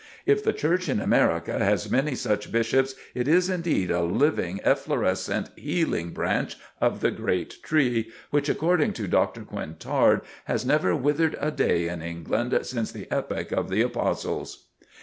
If the Church in America has many such Bishops it is indeed a living, efflorescent, healing branch of the great tree, which, according to Dr. Quintard, has never withered a day in England since the epoch of the Apostles."